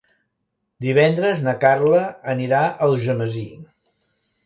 Divendres na Carla anirà a Algemesí.